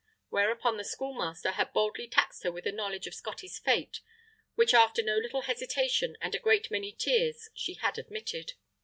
Whereupon the Schoolmaster had boldly taxed her with a knowledge of Scottie's fate which after no little hesitation and a great many tears she had admitted.